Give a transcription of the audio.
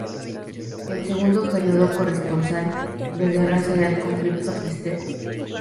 El segundo periodo de corresponsal de guerra será el conflicto Cristero.